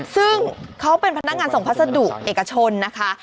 ซึ่งเขาเป็นพนักงานส่งพัสดุเอกชนนะคะ